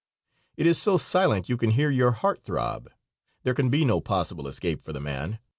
It is so silent you can hear your heart throb. There can be no possible escape for the man.